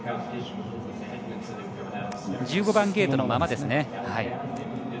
１５番ゲートのままですね。